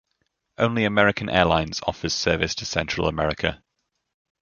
Only American Airlines offers service to Central America.